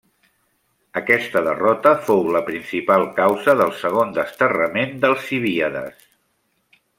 Aquesta derrota fou la principal causa del segon desterrament d'Alcibíades.